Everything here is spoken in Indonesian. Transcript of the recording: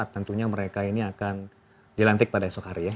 tentunya mereka ini akan dilantik pada esok hari ya